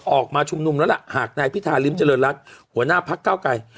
ออกมาชุมนุมนั่นแหละหากนายพิทาลิมเจริญรักษ์หัวหน้าพักเก้าไกร